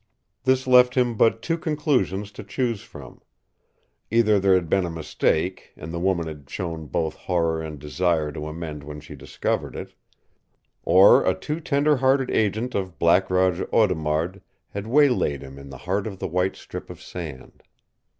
This left him but two conclusions to choose from. Either there had been a mistake, and the woman had shown both horror and desire to amend when she discovered it, or a too tender hearted agent of Black Roger Audemard had waylaid him in the heart of the white strip of sand.